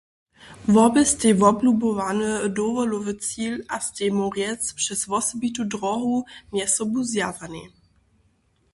Wobě stej woblubowany dowolowy cil a stej móhłrjec přez wosebitu dróhu mjez sobu zwjazanej.